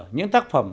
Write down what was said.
những tác phẩm